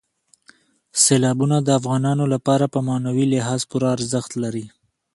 سیلابونه د افغانانو لپاره په معنوي لحاظ پوره ارزښت لري.